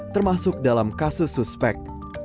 termasuk dalam kasus suspek